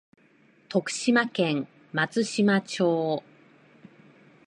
徳島県松茂町